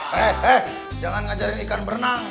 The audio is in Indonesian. hei hei jangan ngajarin ikan berenang